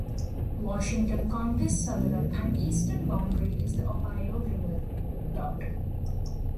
Washington County's southern and eastern boundary is the Ohio River.